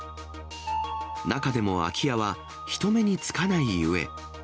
中でも空き家は、人目につかないうえ。